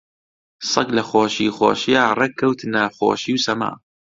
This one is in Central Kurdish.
سەگ لە خۆشی خۆشییا ڕێک کەوتنە خۆشی و سەما